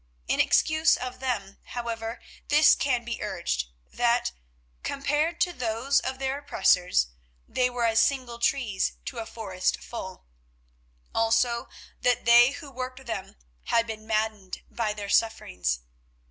In excuse of them, however, this can be urged, that, compared to those of their oppressors, they were as single trees to a forest full; also that they who worked them had been maddened by their sufferings.